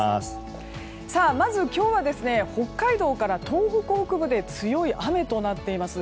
今日は北海道から東北北部で強い雨となっています。